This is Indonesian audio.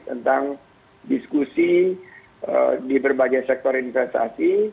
tentang diskusi di berbagai sektor investasi